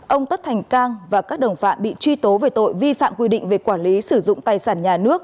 ông tất thành cang và các đồng phạm bị truy tố về tội vi phạm quy định về quản lý sử dụng tài sản nhà nước